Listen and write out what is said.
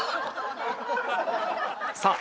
さあ